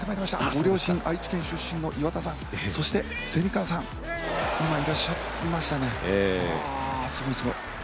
ご両親、愛知県出身の岩田さんそして、蝉川さん、今いらしゃいましたね、ああ、すごい。